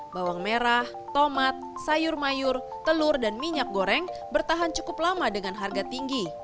bawang merah tomat sayur mayur telur dan minyak goreng bertahan cukup lama dengan harga tinggi